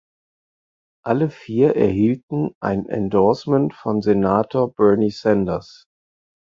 Alle vier erhielten ein Endorsement von Senator Bernie Sanders.